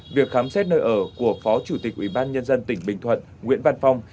việc khám xét nơi ở của phó chủ tịch ubnd tỉnh bình thuận nguyễn văn phong